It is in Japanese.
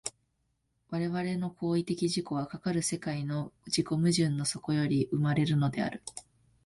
我々の行為的自己は、かかる世界の自己矛盾の底より生まれるのである。